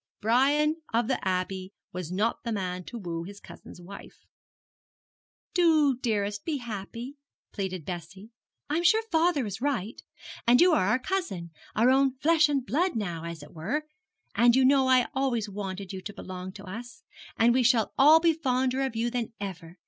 Brian of the Abbey was not the man to woo his cousin's wife. 'Do, dearest, be happy,' pleaded Bessie. 'I'm sure father is right. And you are our cousin, our own flesh and blood now, as it were. And you know I always wanted you to belong to us. And we shall all be fonder of you than ever.